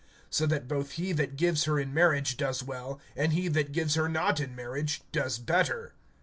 (38)So that both he that gives her in marriage does well, and he that gives her not in marriage does better.